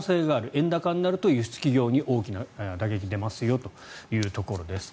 円高になると輸出企業に大きな打撃が出ますよというところです。